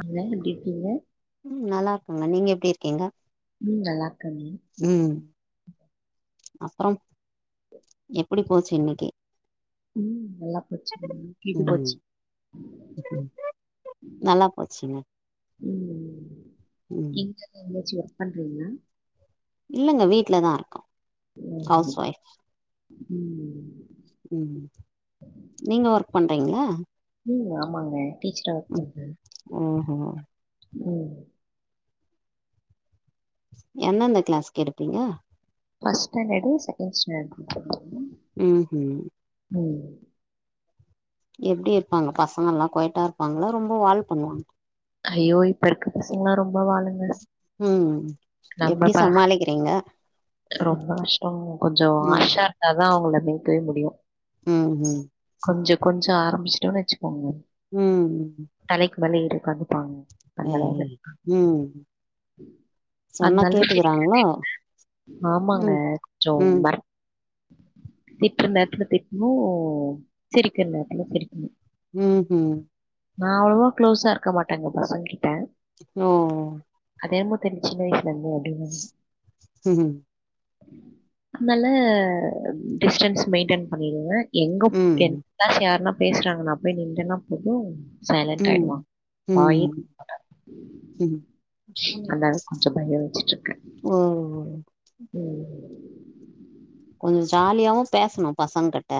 அண்ணா எப்டி இருக்கீங்க ம் நல்லா இருக்கேங்க நீங்க எப்டி இருக்கீங்க ம் நல்லா இருக்கேங்க ம் அப்புறம் எப்டி போச்சி இன்னக்கி ம் நல்லா போச்சிமா கீட்டு ம் போச்சி நல்லா போச்சிங்க ம் ம் எங்க எங்கயாச்சு ஒர்க் பண்றீங்களா இல்லங்க வீட்ல தா இருக்கோ ஹவுஸ் ம் ஒய்ஃப் ம் ம் நீங்க ஒர்க் பண்றீங்களா ம் ஆமாங்க டீச்சரா ஒர்க் ம் பண்றே ஓஹோ ம் எந்தெந்த கிளாஸ்கு எடுப்பீங்க ஃபர்ஸ்ட் ஸ்டாண்டர்ட் செகண்ட் ஸ்டாண்டர்ட்க்கு எடுப்பேங்க ம் ஹூ ம் எப்டி இருப்பாங்க பசங்க எல்லா கோயட்டா இருப்பாங்களா ரொம்ப வால் பண்ணுவாங்க ஐயோ இப்ப இருக்க பசங்கலா ரொம்ப வாலுங்க ம் நம்ம எப்டி ப சமாளிக்கிறீங்க ரொம்ப கஷ்டோ கொஞ்சோ ம் ஆஷாரந்தாதா அவங்கள மேய்க்கவே முடியு உ ஊ கொஞ்ச கொஞ்சோ ஆரம்பிச்சுட்டோனு வச்சுக்கோங்க உ தலைக்கு மேல ஏரி உக்காந்துப்பாங்க அந்த ஐய் ம் சொன்னா அதல்ல வி கேட்டுக்கறாங்களோ [unintelligible] ஆமாங்க ம் ம் சோம்பர் திட்ற நேரத்துல திட்ணு சிரிக்கிற நேரத்துல சிரிக்கணு உ உ நா அவ்வளவா க்ளோஸா இருக்க மாட்டேங்க பசங் கிட்ட ஓ அதேன்மோ தெ சின்ன வயஸ்லந்து அப்டின உ உ அதுனால டிஸ்டன்ஸ் மெயின்டென் பண்ணிருங்க எங்கப் என் ம் நாசு யாருனா பேசுறாங்கண்ணா போய் நிண்டனா போது சைலன்ட் ம் ஆயிடுவா வாயே [inaudible] ம் ம் அந்தால கொஞ்சோ பயோ வச்சுட்ருக்கே ஓவ் உ கொஞ்ச ஜாலியாவு பேசணு பசங்க கிட்ட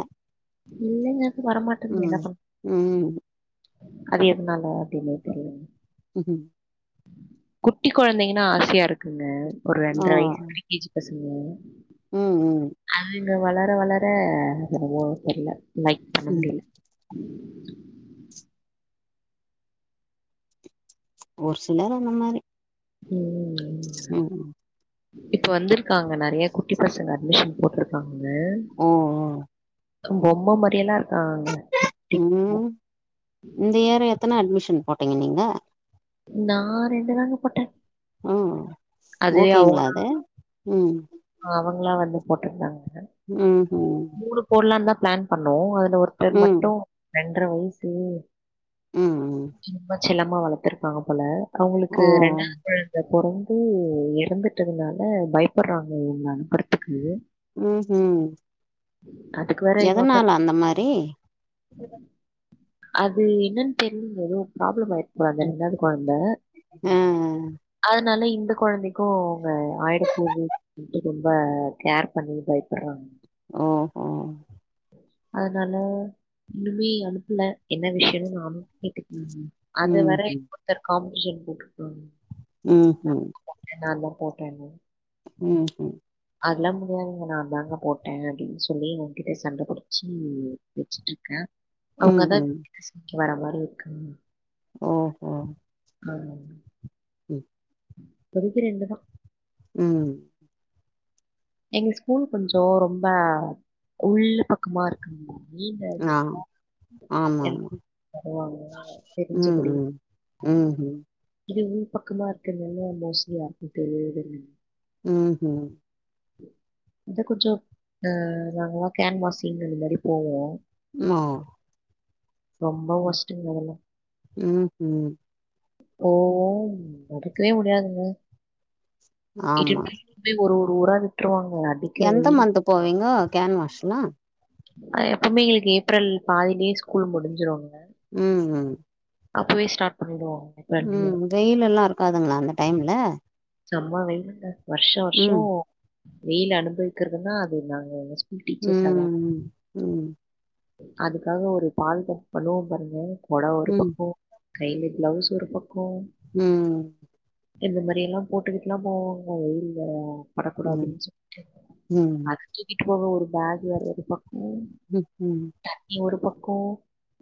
இல்லங்க எனக்கு வரமாட்டேன்து என்ன பன்ன ம் அது எதனால அப்டினே தெரியல உ உ குட்டி கொழந்தைங்கன்னா ஆசயா இருக்குங்க ஒரு ரெண்ட்ரை வயசு [unintelligible] ஏஜ் பசங்க உ உ அது இங்க வளர வளர ரொம்ப தெரில லைக் பண்ண உ முடியல ஒரு சிலர் அந்த மாரி உ உ உ உ உ இப்ப வந்திருக்காங்க நறைய குட்டி பசங்க அட்மிஷன் போட்ருக்காங்க ஒ பொம்ம மாரியல்லா இருக்காங்க உ இந்த இயரு எத்தன அட்மிஷன் போட்டீங்க நீங்க நா ரென்டுதாங்க போட்டே ம் அதுவே ஓகேங்களா அவனா அது ம் அவங்களா வந்து போட்ருந்தாங்க உ ஹு ஸ்கூலுக் போட்லானுதா பிளான் பண்ணோ அதுல ஒருதர் ம் மட்டு ரெண்ட்ர வயசு ம் ம் ரம்ப செலமா வளத்துருக்காங்க போல அவங்களுக்கு ஓ ரெண்டாவது குழந்த பொறந்து ஒ எறந்துட்டதுனால பயப்படுறாங்க உங்க அனுப்புறதுக்கு உ உ அதுக்கு வேற இன்னொருத்த எதனால அந்த மாரி அது என்னன்னு தெரி [unintelligible] எதோ ப்ராப்ளம் ஆயிருக்கு அந்த ரெண்டாவது கொழந்த ஆ அதனால இந்த கெழந்தைக்கு அவங்க ஆயிடப்போது ரொம்ப கேர் பண்ணி பயிப்பட்றாங்க ஓ ஹோ அதனால நிவி அனுப்பல என்ன விஷ்யோன் நானு கேட்டுக்கல மேம் அது ம் வரை ம் ஒருத்தர் காமனேஷன் போட்ருக்காங்க ம் ம் நா தா போட்டேனு ம் ம் அதெல்லாம் முடியாதுங்க நா தாங்க போட்டே அப்டின் சொல்லி உ கிட்ட சண்டை புடிச்சி வச்சிட்ருக்க ம் அவங்கதா ம் சமைக்க வர மாரி இருக்காங்க ஓஹோ ஆ ம் பெரிபெரியங்க தா ம் எங்க ஸ்கூல் கொஞ்சொ ரொம்ப உள்ளு பக்கமா இருக் ஆமா ஈ பேக் ஆ இருக்கா எனக் ஆமாமா வருவாங்க ம் தெரிஞ்சிகுடி ம் ம்ஹும் இது உள் பக்கமா இருக்குறதில்ல மோஸ்லி தெரியாது இல்ல ம் ம் இத கொஞ்சொ ஆ நாங்ளா கேன்வாசிங அது மாதிரி போவோ ம்மா ரொம்ப ஒஷ்டுங்க அதுல ம்ம் ஓம் இருக்கவே முடியாதுங்க ஆமா இருக்கறல ஒரு பூரா விட்டுருவாங்க அடிக்கற எந்த வெய்லுக் மந்த் போவீங்கோ கேன்வாஷ்ல அ எப்பவுமே எங்ளுக் ஏப்ரல் பாதிலயே ஸ்கூல் முடிஞ்சுரோங்க ம் ம் அப்பவே ஸ்டார்ட் பண்ணிடு வாங்க ம் வெயில் எல்லா இருக்காதுங்களா அந்த டைம்ல செம்மா வெய்லுங்க வர்ஷ வர்ஷோ ம் வெயில் அனுபவக்கிறதுனா அது நாங்க எங்க ஸ்கூல் டீச்சர்ஸ்சா தா ம் ம் இருப் அதுக்காக ஒரு பால் பப் பாருங்க கொட ஒரு ம் பக்கோ கைல பிளவுஸ் ஒரு பக்கோ ம் இந்த மாரி எல்லா போட்டுக்குட்டுலா போவாங்லா வெயில்ல ம் படக்கூடாதுன் சொல்ட்டு ம் அது கீக்கிட்டு போக ஒரு பேக் வேற ஒரு பக்கோ ம் ம் நீ ஒரு பக்கோ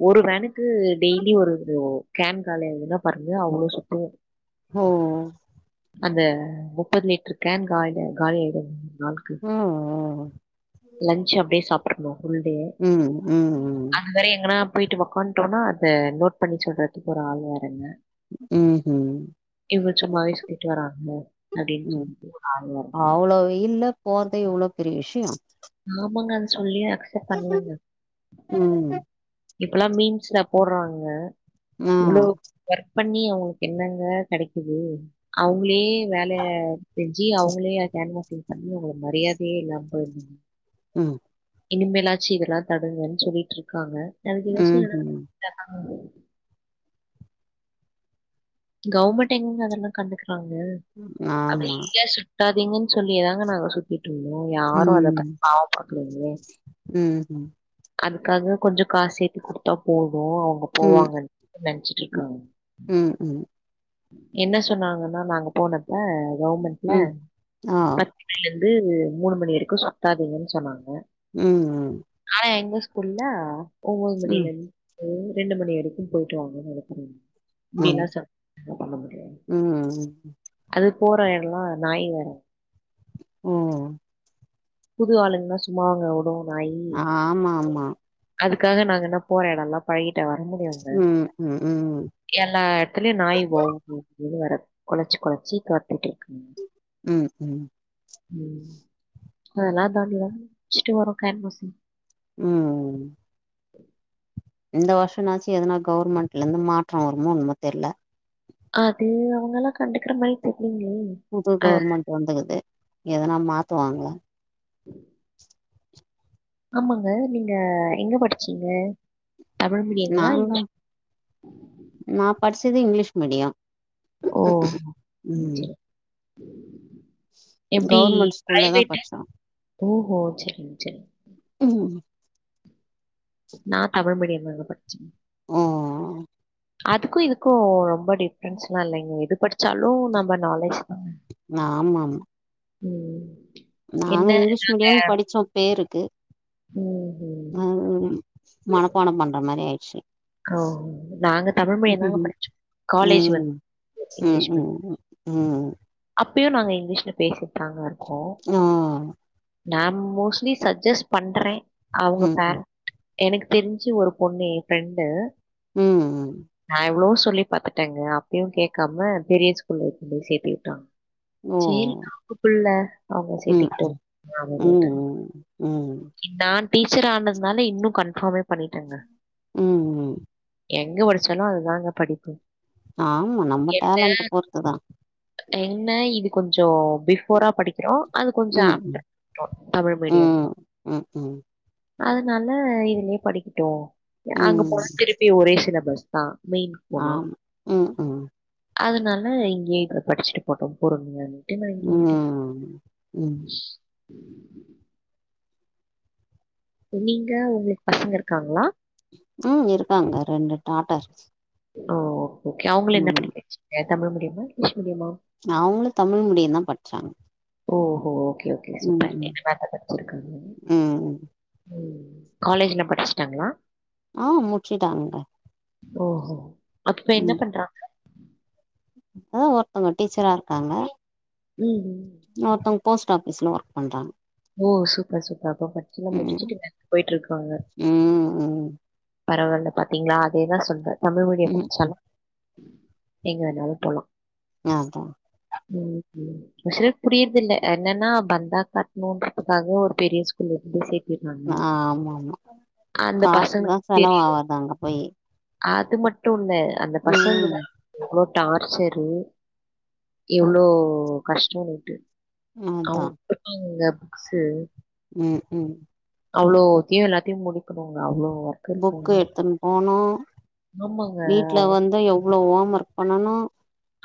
ஒரு வேனுக்கு டெய்லி ஒரு கேன் காலையன்னா பாருங்க அவ்ளோ சுத்து ஒ அந்த முப்பது லிட்டர் கேன் காலியா காலியாயிடு ஒரு நாள்கு ஓ ஓ! லன்ட்ச் அப்டியே சாப்ட்ரனு. ஃபுல்டே ம் ம் ம் அதுவரை எங்கனா போயிட்டு உக்காட்டோனா அத நோட் பண்ணி சொல்றதுக் ஒரு ஆள் வேறங்க ம்ஹும் இவ்வ சும்மாவே சொல்ட்டு வராங்க அப்டின் ம் சொல்ட்டு அவ்ளோ வெய்ல்ல போறது எவ்ளோ பெரிய விஷ்யோ ஆமா அத சொல்லியே அக்சப்ட் பண்ணலங்க ம் இப்பலா மீம்ஸ்சுல போடுறாங்க ஆ இவ்ளவு ஒர்க் பண்ணி அவுங்ளுக்கு என்னங்க கிடைக்குது அவுங்ளே வேல ஜி அவங்களே கேன்வாிங் பண்ணி அவங்களுக்கு மரியாதையே இல்லாம போயந்தங்க ம் இனிமேலாச்சு இதெல்லா தடுங்கன்னு சொல்லிட்டு இருக்காங்க அதுக்கு ஏதாச்சு ம்ஹும் [unintelligible] கவர்மெண்ட் எங்கங்க அதெல்லா கண்டுக்குறாங்க ஆமா அப்டியே வெட்டாதீங்கன்னு சொல்லியே தாங்க நாங்க சு ய்ட்ருந்தோ யாரு அத ம் பாவ பாக்லயே ம்ஹும் அதுக்காக கொஞ்சோ காசு சேத்தி குடுத்தா போது அவுங்க ம் போவாங்கன் நினைச்சிட்டு இருக்காங்க ம் ம் என்ன சொன்னாங்கன்னா நாங்க போனப்ப கவர்மெண்ட்ல ம் ஆ இன்னைல இருந்து மூணு மணி வரைக்கு சுத்தாதீங்கன்னு சொன்னாங்க ம் ம் ஆனா எங்க ஸ்கூல்ல ஒம்போது மணில ம் இருந் ம் ரெண்டு மணி வரைக்கும் போயிட்டு வாங்கன்ன நடக்கற இப்டிலா ச ம் அது போற எடல்லா நாய் வேற ஓ புது ஆளுங்கல்லா சும்மாவங்க உடு நாய் ஆமா ஆமா அதுக்காக நாங்க என்ன போற எடம்ல்லா பழகிட்டா வர முடியு அங்க ம் ம் ம் எல்லா எடத்துலயு நாய் வவ்வு அப்டின்னு வரது குலைச்சு குலைச்சி காத்துட்டு இருக்குங்க ம் ம் ம் அதுலா தாண்டி வரு ஃபர்ஸ்ட் வர கேன்வாஸ் ம் இந்த வருஷம்னாச்சு எதுனா கவுவர்மெண்ட்ல இருந்து மாட்ரோ வருமோ என்னமோ தெர்ல அது அவுங்கல்லா கண்டுக்குற மாதிரி தெர்லங்ளே புது கவர்மெண்ட் வந்துக்குது எதனா மாத்துவாங்கள ஆமாங்க நீங்க எங்க படிச்சீங்க தமிழ் மீடியங்களா நாங்க இங்க நா படிச்சது இங்கிலீஷ் மீடியோ ஓ சேரி எப்டி கவுர்மெண்ட் ஸ்கூல்ல தா பயோடேட்டு படிச்சோ ஓஹோ செரி செரி ம் நா தமிழ் மீடியம் படிச்சே ம் அதுக்கு இதுக்கு ரொம்ப டிஃப்ரென்ஸ் ல்லா இல்லைங்க எது படிச்சாலு நம்ம நாலேஜ் தா ஆமா ஆ ம் நாங்க என்ன இங்கிலீஷ் நாங்க மீடியம்னு படிச்சோம் பேருக்கு ம் ம். ஆ மணப்பாடம் பண்ற மாரி ஆய்ச்சு ஓ நாங்க தமிழ் மிடியோ தாங்க படிச்சோ காலேஜ் வந் ம் ம் ம் ம் அப்பயு நாங்க இங்கிலீஷ்ல பேசிகிட்தாங்க இருக்கோ ஆ நான் மோஸ்ட்லி சஜெஸ்ட் பண்றே அவுங்க ம் ம் பேரண்ட் எனக்கு தெரிஞ்சு ஒரு பொண்ணு ஏ ஃப்ரெண்டு ம் நா எவ்ளவோ சொல்லி பாத்துட்டேங்க அப்பையு கேக்காம பெரிய ஸ்கூல்ல கொண்டு போய் சேத்தி விட்டாங்க ஓ சேரி கூப்பில்ல அவங்க ம் சேத்திக்கிட்டு ம் [unintelligible] டன் ம் ம் நா டீச்சர் ஆனதுனால இன்னு கன்ஃபார்மே பண்ணிட்டேங்க ம்ம் எங்க படிச்சாலு அதுதாங்க படிப்பு ஆமா நம்ம என்ன டேலண்ட்ட பொறுத்துதா என்ன இது கொஞ்சோ பிஃபோரா படிக்கிறோ அது கொஞ்ச ம் ம் ஆஃப்டர் [inaudible] தமிழ் மீடியம் தா ம் ம் அதனால இதுலயே படிக்கட்டு ஆ அங்க ம் போனா திருப்பி ஒரே சிலபஸ் தா மெயின்க்கு போனா ஆமா ம் ம் அதனால இங்கயே இதுல படிச்சுட்டு போட்டு பொறுமையானு ட்டு நா இங்கயே விட்டுட்டே ம் ம் நீங்க உங்களுக்கு பசங்க இருக்காங்களா ம் இருக்காங்க ரெண்டு டாட்டர் ஒ ஓகே ஓகே அவங்கள என்ன படிக்க வச்சிங்க தமிழ் மீடியமா இங்கிலீஷ் மீடியமா அவங்களு தமிழ் மிடியோ தா படிச்சாங்க ஓஹோ ஓகே ஓகே ம் சூப்பர் ம் [inaudible] சிருக்காங்க ம் ம் காலேஜ்ல படிச்சிட்டாங்களா ஆ முச்சிட்டாங்க ஓஹோ அப்ப இப்ப என்ன பண்றா அதா ஒருத்தவங்க டீச்சரா இருக்காங்க ம்ம் இன்னொருத்தவங்க போஸ்ட் ஆஃபீஸ்ல ஒர்க் பண்றாங்க ஓ சூப்பர் சூப்பர் அப்ப படிச்சு எல்லா ம் முடிச்சுட்டு வேலைக்கு போயிட்ருக்காங்க ம் ம் பரவால்ல பாத்தீங்களா அதேதா சொல்றே தமிழ் மீடியோ ம் ம் பச்சாலு எங்க வேணாலு போலா நான்தா ஓகே உஷரு புரியறது இல்ல என்னன்னா பந்தா காட்டணுன்றதுக்காக ஒரு பெரிய ஸ்கூல்ல இருந்து சேத் ஆ ஆமா ஆமா அந்த காசு தா பசங்களுக்கு செலவு தெரியும். ஆவுது அங்க போயி அது மட்டுல்ல அந்த பசங்கதா ம் எவ்ளோ டார்ச்சரு எவ்ளோ கஷ்டோனுட்டு அதா அவுங்காங்க குடுப்பாங்கங்க புக்ஸு ம் ம் அவ்ளோத்தையு எல்லாத்தையு முடிக்கணுங்க அவ்ளோ ஒர்க் புக் இருக்குங்க. எடுத்துன்னு போனோ ஆமாங்க வீட்ல அவங்க வந்து எவ்ளோ ஓம் ஒர்க் பண்ணனு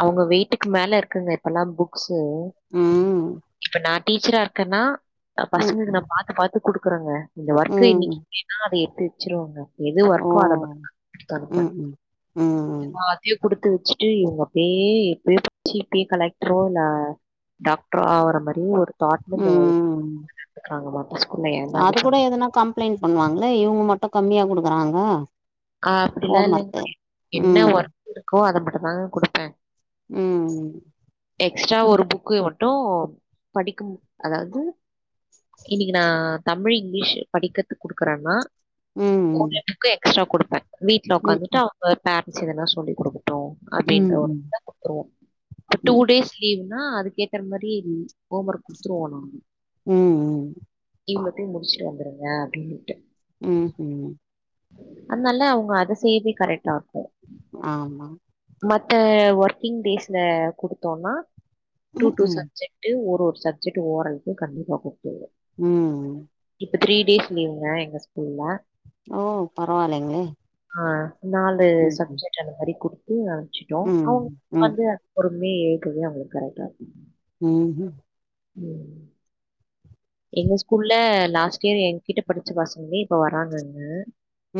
அவங்க வெய்ட்டுக்கு மேல இருக்குங்க இப்பெல்லா புக் ஸு ம் இப்ப நா டீச்சரா இருக்கேன்னா அ ம் பசங்களுக் நா பாத்து பாத் க்கு குடுக்குறாங்க இந்த ஒர்க்கு ம் இன்னைக்கு இல்லைன்னா அத எத்து வச்சிருவாங்க எது ஓ ஒர்க்கோ அத தருப்ப ம் ம் ம் த்திய குடுத்து வச்சுட்டு இவங்க அப்டியே இப்பயே படிச்சி இப்பயே கலெக்டரே இல்ல டாக்டர் அவுற மாரியே ஒரு தாட்ல இந்த ம் க்கறாங்கமா அது கூட எதனா கம்ப்ளைண்ட் பண்ணுவாங்கள இவங்க மட்டு கம்மியா குடுக்கிறாங்க ஆ அப்படிலா இல்லைங்க என்ன ம் ஒர்க் இருக்கோ அத மட்டுந்தாங்க குடுப்பே ம் எக்ஸ்ட்ரா ஒரு புக்கை மட்டு படிக்கும் அதாவது இன்னைக்கு நா தமிழ் இங்கிலிஷ் படிக்கிறதுக்கு குடுக்குறேன்னா ம் ஹோம் ஒர்க்கு எக்ஸ்ட்ரா குடுப்பே வீட்ல ம் உக்காந்துட்டு அவ அதா பேரண்ட்ஸ் எதனா சொல்லி குடுக்கட்டு அப்டின்ற ம் ஒரு [inaudible] குடுத்துருவோ இப்ப டூ ம் டேஸ் லீவ்னா அதுக்கேத்தற மாரி ஹோம் ஒர்க் குடுத்துருவோ நாங் ம் தி மட்டு முடிச்சுட்டு வந்துருங்க அப்டின்னுட்டு ம் ம் அதனால அவங்க அத செய்யவே கரெக்டா இருக்கு ஆமா மத்த ஒர்க்கிங் டேஸ்ல குடுத்தோனா டூ டூ ம் சப்ஜெக்ட் ட்டு ஒரு ஒரு சப்ஜெக்ட் ஓரல்க்கு கண்டிப்பா குடுத்துடுவோ ம் இப்போ த்ரீ டேஸ் லீவுங்க எங்க ஸ்கூல்ல ஓ பரவால்லைங்ளே ஆ நாலு சப்ஜெக்ட் அந்த மாரி குடுத்து அனுப்ச்சுட்டோ ம் அவங்க ம் வந்து ஒரு மே ஏக்குவே அவங்களுக்கு கரெக்டாருக் ம் ம் ம் எங்க ஸ்கூல்ல லாஸ்ட் டைம் எங்கிட்ட படிச்ச பசங்களே இப்ப வராங்கங்க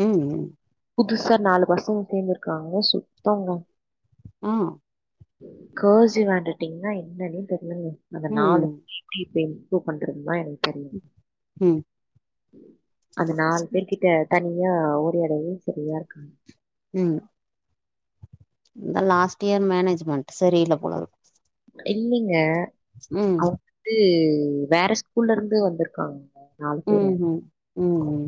ம் ம் ம் புதுசா நாலு பசங்க சேந்திருக்காங்க சுத்தோங்க ஆ கர்சிவ் ஹேண்ட்ரைட்டிங்னா என்னன்னே தெரிலைங்க அந்த ம் நாலு டீச்ச இம்ப்ரூவ் பண்றதுங்ளா என்ன ம் அந்த நாலு பேர் கிட்ட தனியா உரையாடவே சரியா இருக்குங்க ம் இந்த லாஸ்ட் இயர் மேனேஜ்மெண்ட் சரியில்ல போலருக் இல்லைங்க ம் து வேற ஸ்கூல்லருந்து வந்திருக்காங்க நாலு பேரு ம் ம் ம்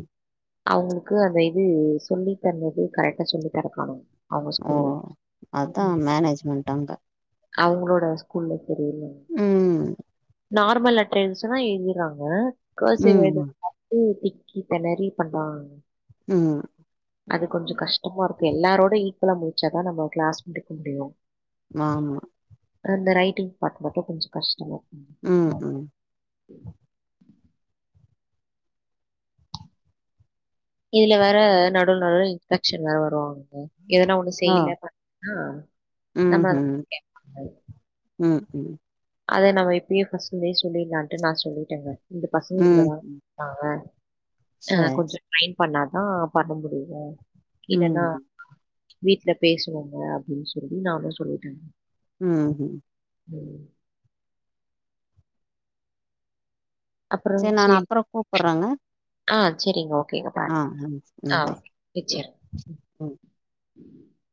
அவங்களுக்கு அந்த இது சொல்லி தந்தது கரெக்டா சொல்லி தரக்காணோ ஓ அதா மேனேஜ்மெண்ட் அங்க அவங்களோட ஸ்கூல்ல தெரியல ம் நார்மல் லெட்டர் எழுத சொன்னா எழுதிறாங்க கர்சிவ் ரைட் ம் ம் திக்கி தெனரி பண்றா ம் அது கொஞ்ச கஷ்டமா இருக்கு எல்லாரோட ஈக்குவலா முடிச்சாதா நம்ம கிளாஸ் முடிக்க முடியு ஆமா அப்ற அந்த ரைட்டிங் பாக்க மட்டு கொஞ்ச கஷ்டமா இருக்கும். ம் ஆமா. ம் இதுல வேற நடுவுல நடுவுல இன்ஃபெக்ஷன் வேற வருவாங்க ம் எதனா ஒன்னு ஆ செய்ல [inaudible] ம் நம்மளதான ம் கேப்பாங்க ம் ம் அதா நம்ம இப்பயே ஃபஸ்லந்தே சொல்லிர்லான்ட்டு நா சொல்லிட்டேங்க இந்த பசங்க ம் லீவுலதா வந்தாங்க அ சரி கொஞ்சொ ட்ரை பண்ணாதா பண்ண முடியு இல்லன்னா ம் வீட்ல பேசுவாங்க அப்டின்னு சொல்லி நானே சொல்லிட்டே ம் ம் அப்புற சரி நான் செரி அப்புறம் கூப்புட்றேங்க ஆ சரிங்க ஓகேங்க பா ஆ ம் ம் ஆ பாய் வச்சிர் ம் ம்